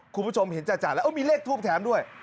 คุณผู้ชมเห็นจัดแล้วมีเลขทูปแถมด้วย